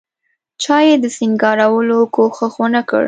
چا یې د سینګارولو کوښښ ونکړ.